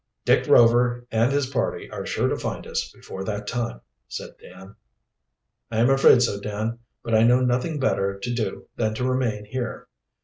"Dick Rover and his party are sure to find us Before that time," said Dan. "I am afraid so, Dan. But I know of nothing better to do than to remain here."